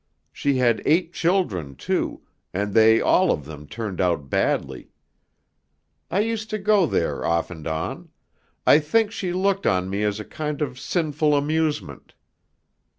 She had eight children, too, and they all of them turned out badly. I used to go there off and on; I think she looked on me as a kind of sinful amusement.